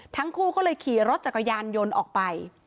ทั้งคู่ก็เลยขี่รถจักรยานยนต์ออกไป